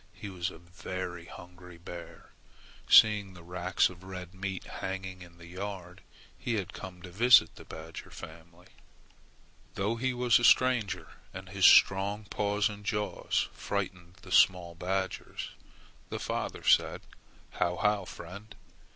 He was a very hungry bear. Seeing the racks of red meat hanging in the yard, he had come to visit the badger family. Though he was a stranger and his strong paws and jaws frightened the small badgers, the father said, "How, how, friend!